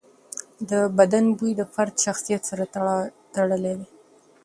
د بدن بوی د فرد شخصیت سره تړلی دی.